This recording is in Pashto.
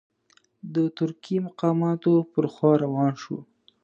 د ترکي مقاماتو پر خوا روان شو.